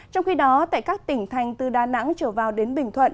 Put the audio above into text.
trong khi đó tại các tỉnh thành từ đà nẵng trở vào đến bình thuận